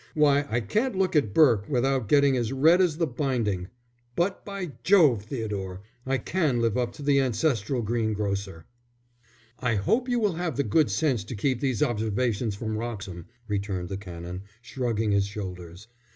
Why, I can't look at Burke without getting as red as the binding. But, by Jove, Theodore, I can live up to the ancestral green grocer." "I hope you will have the good sense to keep these observations from Wroxham," returned the Canon, shrugging his shoulders.